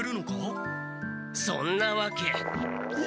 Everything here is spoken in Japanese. そんなわけ。